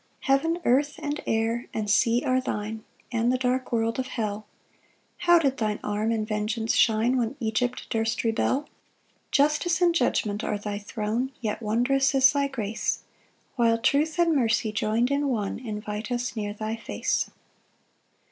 5 Heaven, earth, and air, and sea are thine, And the dark world of hell: How did thine arm in vengeance shine When Egypt durst rebel! 6 Justice and judgment are thy throne, Yet wondrous is thy grace; While truth and mercy join'd in one Invite us near thy face.